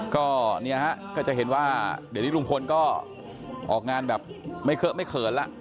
ก็เนี่ยฮะก็จะเห็นว่าเดี๋ยวนี้ลุงพลก็ออกงานแบบไม่เคอะไม่เขินแล้ว